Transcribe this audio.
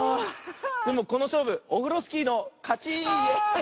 でもこのしょうぶオフロスキーのかち！イエー！